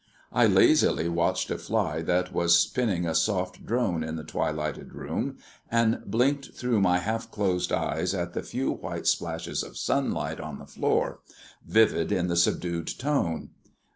I lazily watched a fly that was spinning a soft drone in the twilighted room, and blinked through my half closed eyes at the few white splashes of sunlight on the floor, vivid in the subdued tone.